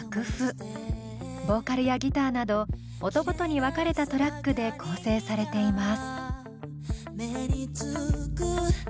ボーカルやギターなど音ごとに分かれたトラックで構成されています。